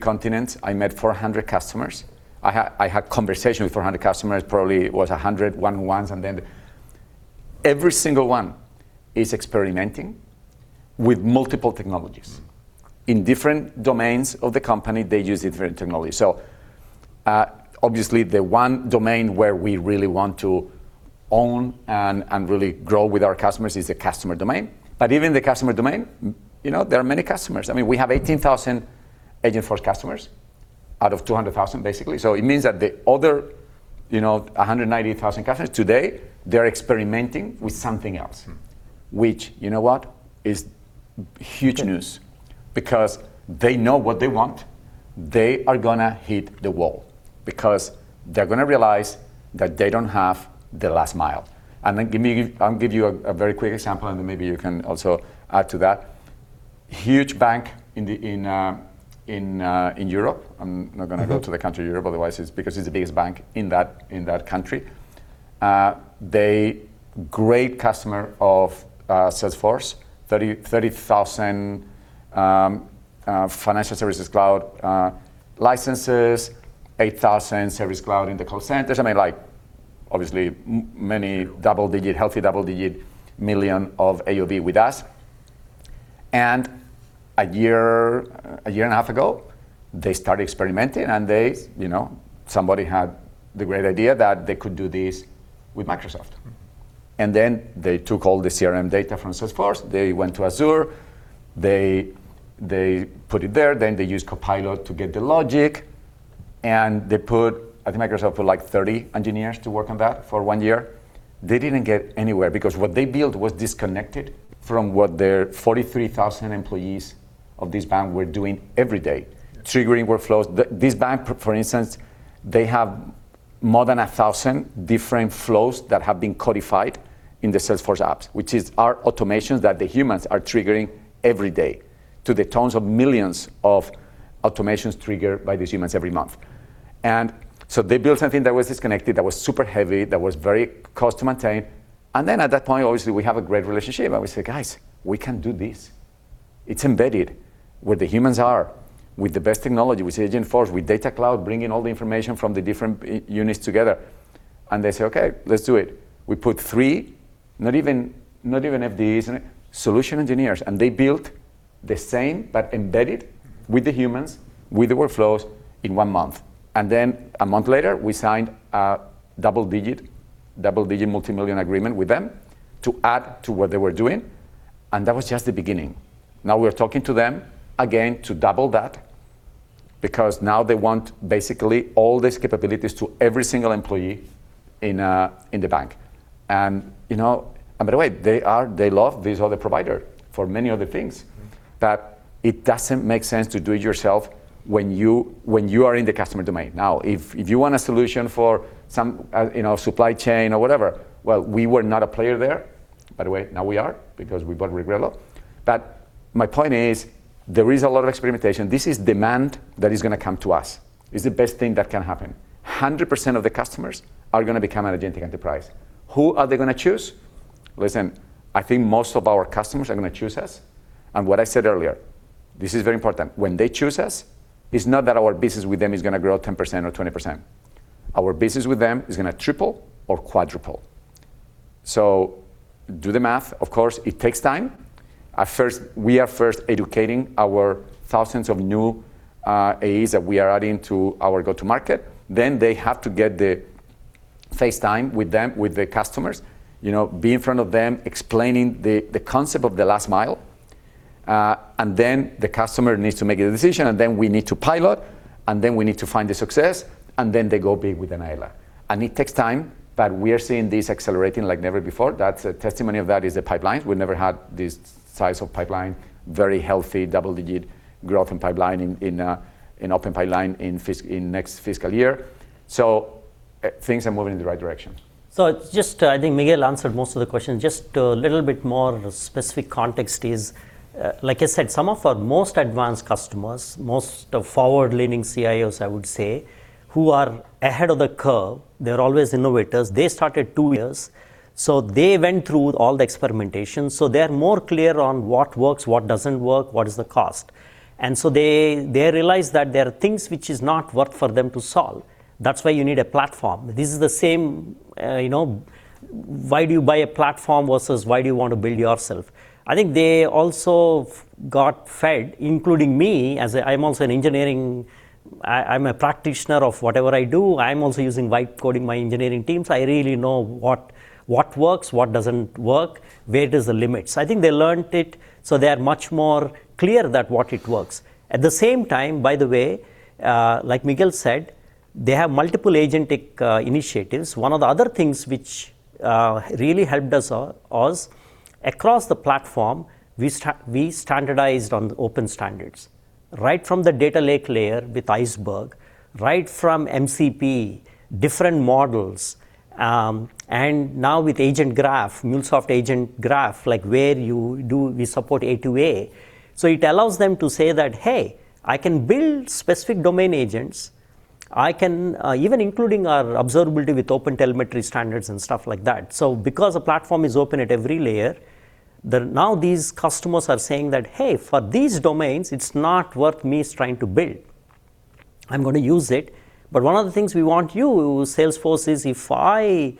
continents. I met 400 customers. I had conversations with 400 customers. Probably it was 100 one-on-ones, and then every single one is experimenting with multiple technologies. In different domains of the company, they use different technologies, so obviously, the one domain where we really want to own and really grow with our customers is the customer domain, but even in the customer domain, there are many customers. I mean, we have 18,000 Agentforce customers out of 200,000, basically, so it means that the other 190,000 customers today, they're experimenting with something else, which, you know what, is huge news because they know what they want. They are going to hit the wall because they're going to realize that they don't have the last mile. I'll give you a very quick example, and then maybe you can also add to that. Huge bank in Europe. I'm not going to go to the country Europe, otherwise, it's because it's the biggest bank in that country. They're a great customer of Salesforce, 30,000 Financial Services Cloud licenses, 8,000 Service Cloud in the call centers. I mean, obviously, many double-digit, healthy double-digit million of AOV with us. And a year and a half ago, they started experimenting, and somebody had the great idea that they could do this with Microsoft. And then they took all the CRM data from Salesforce. They went to Azure. They put it there. Then they used Copilot to get the logic. And I think Microsoft put like 30 engineers to work on that for one year. They didn't get anywhere because what they built was disconnected from what their 43,000 employees of this bank were doing every day, triggering workflows. This bank, for instance, they have more than 1,000 different flows that have been codified in the Salesforce apps, which are automations that the humans are triggering every day to the tens of millions of automations triggered by these humans every month. They built something that was disconnected, that was super heavy, that was very costly to maintain. Then at that point, obviously, we have a great relationship. We say, "Guys, we can do this. It's embedded where the humans are with the best technology, with Agentforce, with Data Cloud bringing all the information from the different units together." And they say, "Okay, let's do it." We put three, not even FDEs, solution engineers, and they built the same but embedded with the humans, with the workflows in one month. And then a month later, we signed a double-digit, double-digit multimillion agreement with them to add to what they were doing. And that was just the beginning. Now we're talking to them again to double that because now they want basically all these capabilities to every single employee in the bank. And by the way, they love this other provider for many other things. But it doesn't make sense to do it yourself when you are in the customer domain. Now, if you want a solution for some supply chain or whatever, well, we were not a player there. By the way, now we are because we bought Reguerlo. But my point is, there is a lot of experimentation. This is demand that is going to come to us. It's the best thing that can happen. 100% of the customers are going to become an agentic enterprise. Who are they going to choose? Listen, I think most of our customers are going to choose us. And what I said earlier, this is very important. When they choose us, it's not that our business with them is going to grow 10% or 20%. Our business with them is going to triple or quadruple. So do the math. Of course, it takes time. We are first educating our thousands of new AEs that we are adding to our go-to-market. Then they have to get the face time with them, with the customers, be in front of them explaining the concept of the last mile. And then the customer needs to make a decision. And then we need to pilot. And then we need to find the success. And then they go big with an AI layer. And it takes time. But we are seeing this accelerating like never before. The testimony of that is the pipelines. We've never had this size of pipeline, very healthy double-digit growth in pipeline, in open pipeline in next fiscal year. So things are moving in the right direction. So I think Miguel answered most of the questions. Just a little bit more specific context is, like I said, some of our most advanced customers, most forward-leaning CIOs, I would say, who are ahead of the curve, they're always innovators. They started two years. So they went through all the experimentation. They're more clear on what works, what doesn't work, what is the cost. They realize that there are things which are not worth for them to solve. That's why you need a platform. This is the same, why do you buy a platform versus why do you want to build yourself? I think they also got fed up, including me. I'm also an engineer. I'm a practitioner of whatever I do. I'm also writing code with my engineering teams. I really know what works, what doesn't work, where does the limit. I think they learned it. They are much more clear about what works. At the same time, by the way, like Miguel said, they have multiple agentic initiatives. One of the other things which really helped us across the platform, we standardized on open standards. Right from the data lake layer with Iceberg, right from MCP, different models. And now with AgentGraph, MuleSoft AgentGraph, like where you do, we support A2A. So it allows them to say that, "Hey, I can build specific domain agents." Even including our observability with OpenTelemetry standards and stuff like that. So because a platform is open at every layer, now these customers are saying that, "Hey, for these domains, it's not worth me trying to build. I'm going to use it." But one of the things we want you, Salesforce, is if I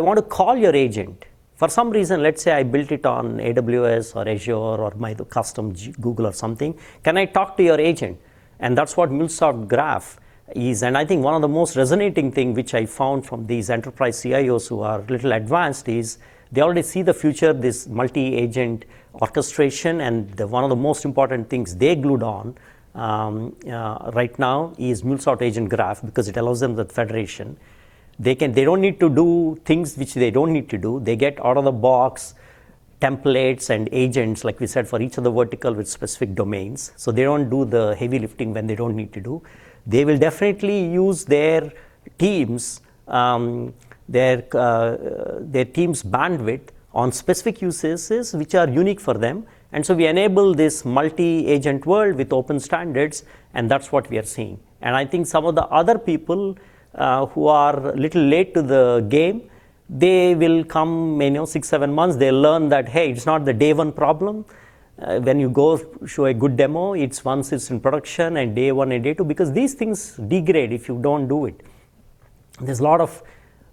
want to call your agent, for some reason, let's say I built it on AWS or Azure or my custom Google or something, can I talk to your agent? And that's what MuleSoft AgentGraph is. I think one of the most resonating things which I found from these enterprise CIOs who are a little advanced is they already see the future, this multi-agent orchestration. One of the most important things they glued on right now is MuleSoft AgentGraph because it allows them the federation. They don't need to do things which they don't need to do. They get out of the box templates and agents, like we said, for each of the verticals with specific domains. So they don't do the heavy lifting when they don't need to do. They will definitely use their teams bandwidth on specific uses which are unique for them. So we enable this multi-agent world with open standards. That's what we are seeing. I think some of the other people who are a little late to the game, they will come in six, seven months. They'll learn that, "Hey, it's not the day-one problem." When you go show a good demo, it's once it's in production and day one and day two because these things degrade if you don't do it.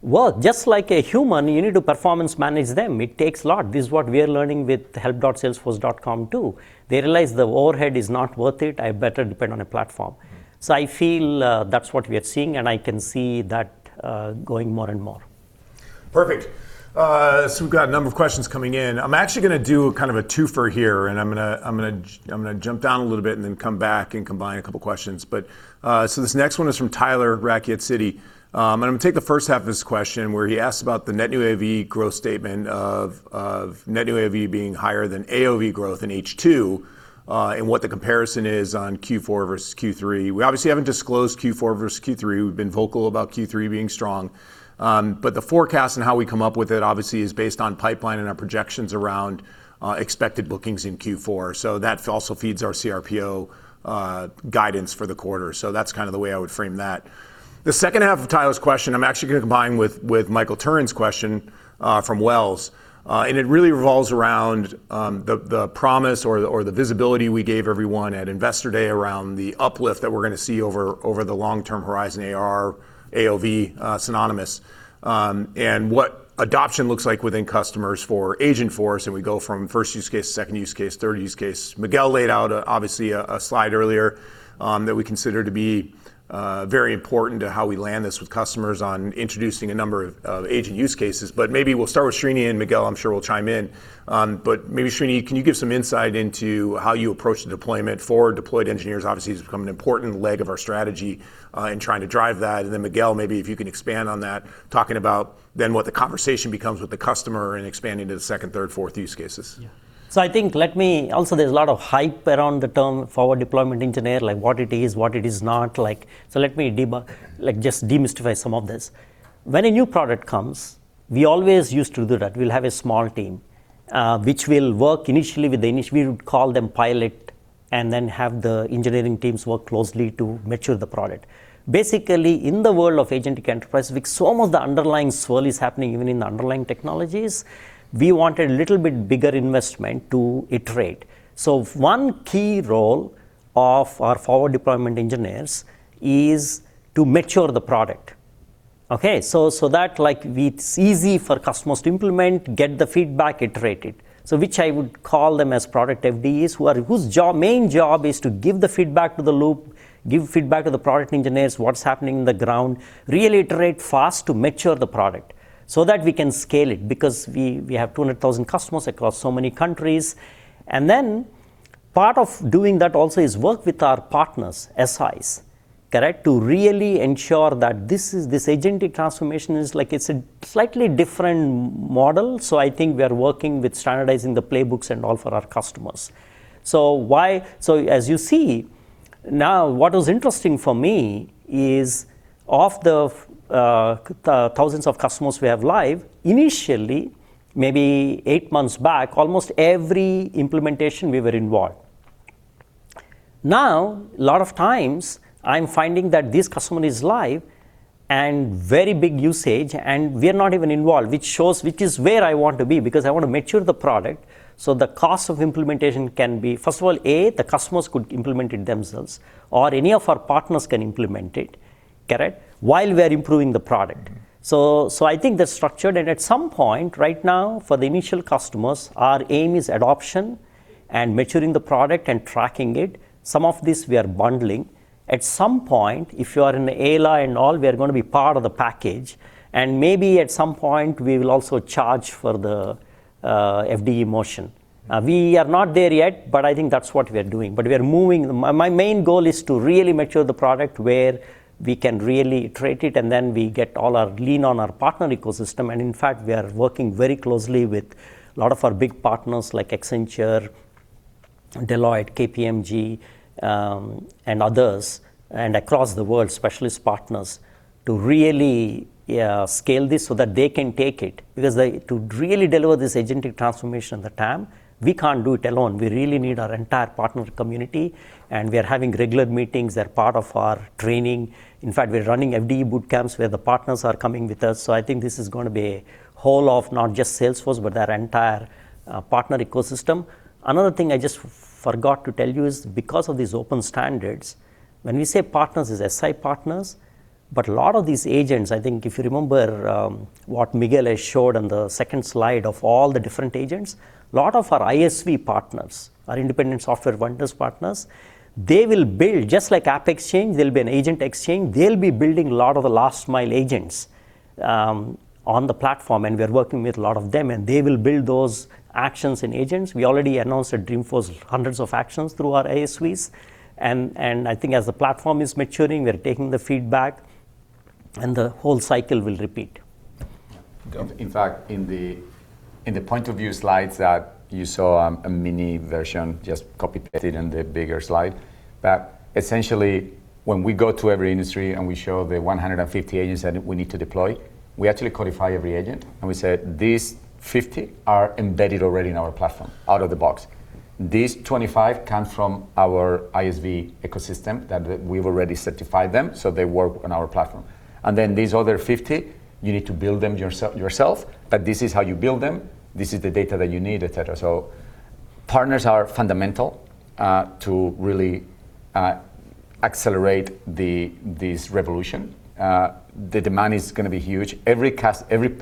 There's a lot of work. Just like a human, you need to performance manage them. It takes a lot. This is what we are learning with help.salesforce.com too. They realize the overhead is not worth it. I better depend on a platform. So I feel that's what we are seeing. And I can see that going more and more. Perfect. So we've got a number of questions coming in. I'm actually going to do kind of a twofer here. And I'm going to jump down a little bit and then come back and combine a couple of questions. So this next one is from Tyler Radke, Citi. I'm going to take the first half of this question where he asked about the net new ACV growth statement of net new ACV being higher than ACV growth in H2 and what the comparison is on Q4 versus Q3. We obviously haven't disclosed Q4 versus Q3. We've been vocal about Q3 being strong. But the forecast and how we come up with it obviously is based on pipeline and our projections around expected bookings in Q4. So that also feeds our CRPO guidance for the quarter. So that's kind of the way I would frame that. The second half of Tyler's question, I'm actually going to combine with Michael Turrin's question from Wells. It really revolves around the promise or the visibility we gave everyone at Investor Day around the uplift that we're going to see over the long-term horizon AR, AOV, synonymous, and what adoption looks like within customers for Agentforce. We go from first use case, second use case, third use case. Miguel laid out obviously a slide earlier that we consider to be very important to how we land this with customers on introducing a number of agent use cases. Maybe we'll start with Srini and Miguel. I'm sure will chime in. Maybe Srini, can you give some insight into how you approach the deployment for deployed engineers? Obviously, it's become an important leg of our strategy in trying to drive that. And then, Miguel, maybe if you can expand on that, talking about then what the conversation becomes with the customer and expanding to the second, third, fourth use cases. Yeah. So, I think, let me also. There's a lot of hype around the term forward deployed engineer, like what it is, what it is not. So, let me just demystify some of this. When a new product comes, we always used to do that. We'll have a small team, which will work initially with the initial we would call them pilot and then have the engineering teams work closely to mature the product. Basically, in the world of agentic enterprise, so much of the underlying swell is happening even in the underlying technologies. We wanted a little bit bigger investment to iterate. So, one key role of our forward deployed engineers is to mature the product. Okay. So that it's easy for customers to implement, get the feedback, iterate it, which I would call them as product FDEs, whose main job is to give the feedback to the loop, give feedback to the product engineers, what's happening on the ground, really iterate fast to mature the product so that we can scale it because we have 200,000 customers across so many countries, and then part of doing that also is work with our partners, SIs, to really ensure that this agentic transformation is like it's a slightly different model, so I think we are working with standardizing the playbooks and all for our customers, so as you see, now what was interesting for me is of the thousands of customers we have live, initially, maybe eight months back, almost every implementation we were involved. Now, a lot of times, I'm finding that this customer is live and very big usage, and we are not even involved, which is where I want to be because I want to mature the product so the cost of implementation can be, first of all, A, the customers could implement it themselves, or any of our partners can implement it while we are improving the product. So I think they're structured. And at some point right now, for the initial customers, our aim is adoption and maturing the product and tracking it. Some of this, we are bundling. At some point, if you are in AI layer and all, we are going to be part of the package. And maybe at some point, we will also charge for the FDE motion. We are not there yet, but I think that's what we are doing. But my main goal is to really mature the product where we can really iterate it, and then we get all our lean on our partner ecosystem. And in fact, we are working very closely with a lot of our big partners like Accenture, Deloitte, KPMG, and others, and across the world, specialist partners to really scale this so that they can take it. Because to really deliver this agentic transformation in the time, we can't do it alone. We really need our entire partner community. And we are having regular meetings. They're part of our training. In fact, we're running FDE bootcamps where the partners are coming with us. So I think this is going to be a whole of not just Salesforce, but their entire partner ecosystem. Another thing I just forgot to tell you is because of these open standards, when we say partners, it's SI partners. But a lot of these agents, I think if you remember what Miguel has showed on the second slide of all the different agents, a lot of our ISV partners, our independent software vendors partners, they will build just like AppExchange. There'll be an agent exchange. They'll be building a lot of the last-mile agents on the platform. And we are working with a lot of them. And they will build those actions and agents. We already announced at Dreamforce hundreds of actions through our ISVs. And I think as the platform is maturing, we're taking the feedback. And the whole cycle will repeat. In fact, in the point-of-view slides that you saw, a mini version just copied and the bigger slide. But essentially, when we go to every industry and we show the 150 agents that we need to deploy, we actually codify every agent. And we said, "These 50 are embedded already in our platform out of the box. These 25 come from our ISV ecosystem that we've already certified them. So they work on our platform. And then these other 50, you need to build them yourself. But this is how you build them. This is the data that you need, etc." So partners are fundamental to really accelerate this revolution. The demand is going to be huge. Every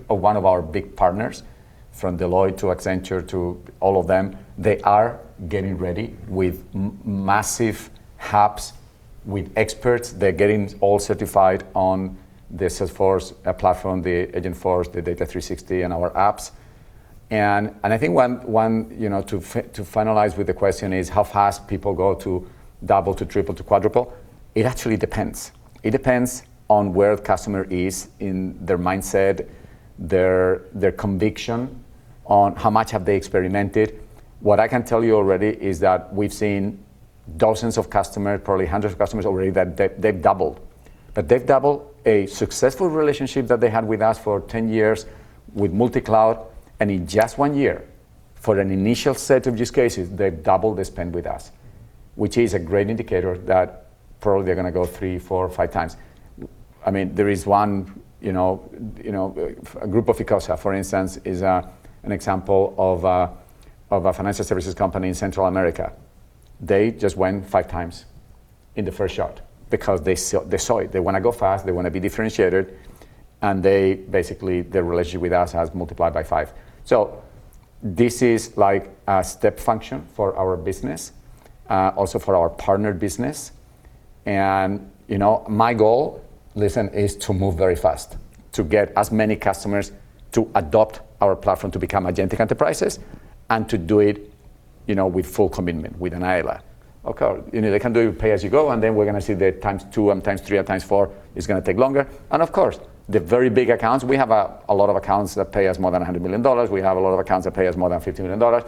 one of our big partners, from Deloitte to Accenture to all of them, they are getting ready with massive hubs with experts. They're getting all certified on the Salesforce platform, the Agentforce, the Data 360, and our apps. And I think one to finalize with the question is how fast people go to double, to triple, to quadruple. It actually depends. It depends on where the customer is in their mindset, their conviction on how much have they experimented. What I can tell you already is that we've seen dozens of customers, probably hundreds of customers already that they've doubled, but they've doubled a successful relationship that they had with us for 10 years with multi-cloud and in just one year for an initial set of use cases, they've doubled the spend with us, which is a great indicator that probably they're going to go three, four, five times. I mean, there is one, Grupo Ficohsa, for instance, is an example of a financial services company in Central America. They just went five times in the first shot because they saw it. They want to go fast. They want to be differentiated and basically, their relationship with us has multiplied by five. So this is like a step function for our business, also for our partner business. And my goal, listen, is to move very fast to get as many customers to adopt our platform, to become agentic enterprises, and to do it with full commitment, with an AELA. They can do pay as you go. And then we're going to see the times two, and times three, and times four is going to take longer. And of course, the very big accounts, we have a lot of accounts that pay us more than $100 million. We have a lot of accounts that pay us more than $50 million.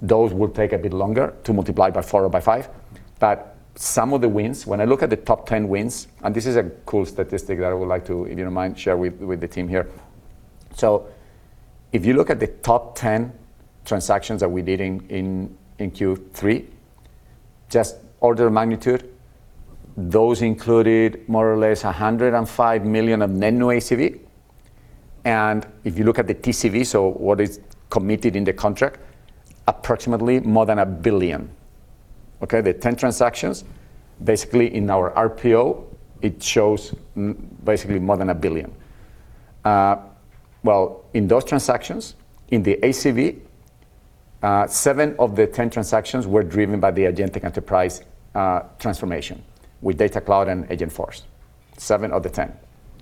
Those will take a bit longer to multiply by four or by five. But some of the wins, when I look at the top 10 wins, and this is a cool statistic that I would like to, if you don't mind, share with the team here. So if you look at the top 10 transactions that we did in Q3, just order of magnitude, those included more or less $105 million of net new ACV. And if you look at the TCV, so what is committed in the contract, approximately more than $1 billion. Okay. The 10 transactions, basically in our RPO, it shows basically more than $1 billion. Well, in those transactions, in the ACV, seven of the 10 transactions were driven by the agentic enterprise transformation with Data Cloud and Agentforce, seven of the 10.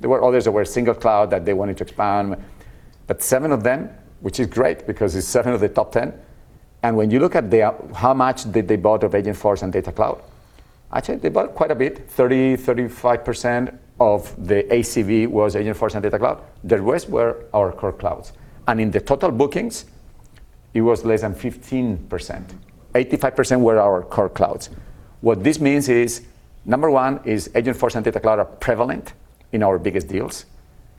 There were others that were single cloud that they wanted to expand. But seven of them, which is great because it's seven of the top 10. When you look at how much did they bought of Agentforce and Data Cloud, actually, they bought quite a bit. 30-35% of the ACV was Agentforce and Data Cloud. The rest were our core clouds. In the total bookings, it was less than 15%. 85% were our core clouds. What this means is, number one is Agentforce and Data Cloud are prevalent in our biggest deals.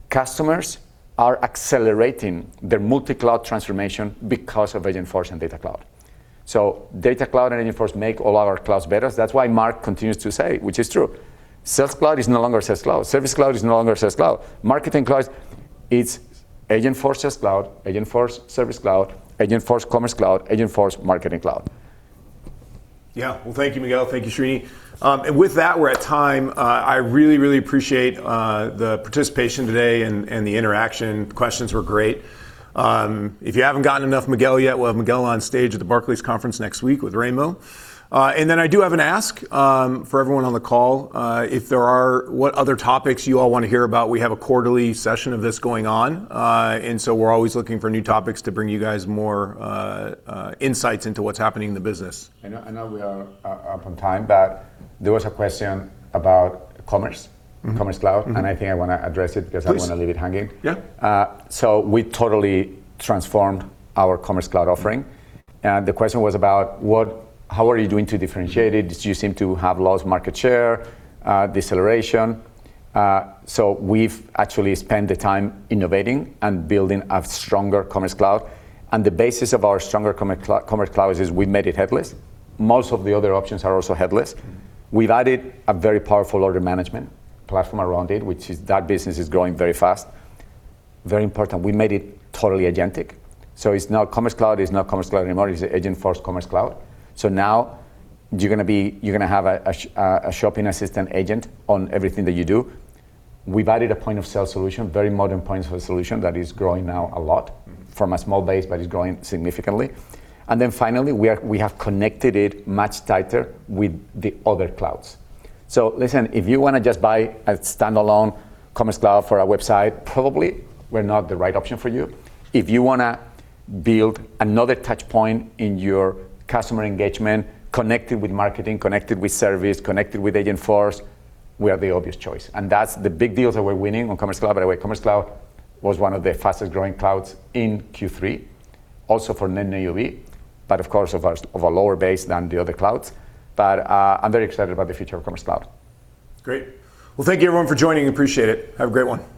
Customers are accelerating their multi-cloud transformation because of Agentforce and Data Cloud. So Data Cloud and Agentforce make all our clouds better. That's why Marc continues to say, which is true. Sales Cloud is no longer Sales Cloud. Service Cloud is no longer Service Cloud. Marketing Cloud is Agentforce Sales Cloud, Agentforce Service Cloud, Agentforce Commerce Cloud, Agentforce Marketing Cloud. Yeah. Well, thank you, Miguel. Thank you, Srini. With that, we're at time. I really, really appreciate the participation today and the interaction. Questions were great. If you haven't gotten enough Miguel yet, we'll have Miguel on stage at the Barclays conference next week with Raimo. And then I do have an ask for everyone on the call. If there are what other topics you all want to hear about, we have a quarterly session of this going on. And so we're always looking for new topics to bring you guys more insights into what's happening in the business. I know we are up on time. But there was a question about commerce, Commerce Cloud. And I think I want to address it because I want to leave it hanging. Yeah. So we totally transformed our Commerce Cloud offering. And the question was about how are you doing to differentiate it? You seem to have lost market share, deceleration. So we've actually spent the time innovating and building a stronger Commerce Cloud. And the basis of our stronger Commerce Cloud is we made it headless. Most of the other options are also headless. We've added a very powerful order management platform around it, which is that business is growing very fast. Very important. We made it totally agentic. So it's not Commerce Cloud. It's not Commerce Cloud anymore. It's Agentforce Commerce Cloud. So now you're going to have a shopping assistant agent on everything that you do. We've added a point of sale solution, very modern point of sale solution that is growing now a lot from a small base, but it's growing significantly. And then finally, we have connected it much tighter with the other clouds. So listen, if you want to just buy a standalone Commerce Cloud for a website, probably we're not the right option for you. If you want to build another touchpoint in your customer engagement, connected with marketing, connected with service, connected with Agentforce, we are the obvious choice. And that's the big deals that we're winning on Commerce Cloud. By the way, Commerce Cloud was one of the fastest growing clouds in Q3, also for net new ACV, but of course, of a lower base than the other clouds. But I'm very excited about the future of Commerce Cloud. Great. Well, thank you, everyone, for joining. Appreciate it. Have a great one.